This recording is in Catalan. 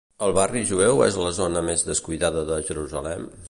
El Barri Jueu és la zona més descuidada de Jerusalem?